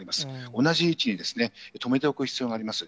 同じ位置にですね、止めておく必要があります。